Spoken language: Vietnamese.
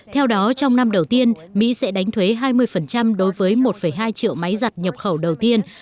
theo đó trong năm đầu tiên mỹ sẽ đánh thuế hai mươi đối với một hai triệu máy giặt nhập khẩu đầu tiên